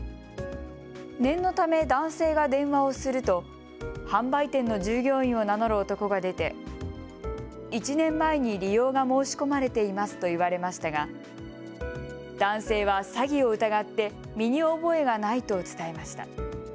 念のため男性が電話をすると販売店の従業員を名乗る男が出て１年前に利用が申し込まれていますと言われましたが男性は詐欺を疑って身に覚えがないと伝えました。